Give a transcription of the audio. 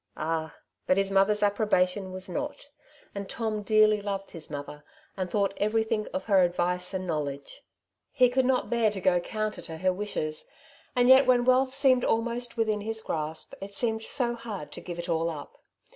Ah ! but his mother's approbation was not; and Tom dearly loved his mother, and thought everything of her advice and knowledge. He could not bear to go counter to . her wishes, and yet when wealth seemed almost within his grasp, it seemed so hard to give it all up.